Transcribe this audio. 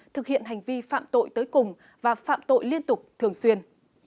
thực hiện hành vi phạm tội tới cùng và phạm tội liên tục thường xuyên